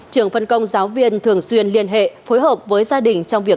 trường phân công giáo viên thường xuyên liên hệ phối hợp với gia đình